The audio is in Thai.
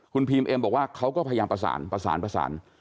คุณพีมเอ็มบอกว่าเขาก็พยายามประสานประสาน